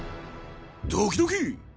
ドキドキ。